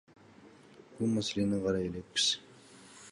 Бул маселени карай элекпиз.